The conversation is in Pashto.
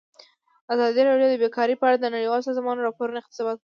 ازادي راډیو د بیکاري په اړه د نړیوالو سازمانونو راپورونه اقتباس کړي.